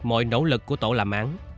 mọi nỗ lực của tổ làm án